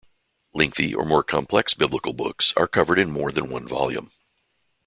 Lengthy or complex biblical books are covered in more than one volume.